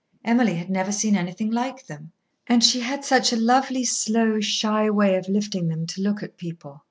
Emily had never seen anything like them. And she had such a lonely, slow, shy way of lifting them to look at people.